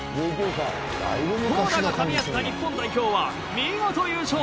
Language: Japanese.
投打が噛みあった日本代表はみごと優勝。